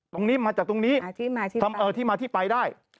ตรงนี้มาจากตรงนี้ที่มาที่ไปได้